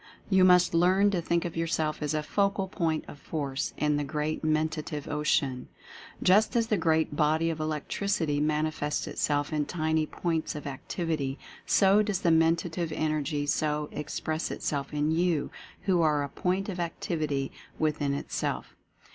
You must learn to think of yourself as a Focal Point of Force in the Great Mentative Ocean. Just as the great body of Electricity manifests itself in tiny points of activity, so does the Mentative Energy so express itself in YOU who are a Point of Activity within Itself.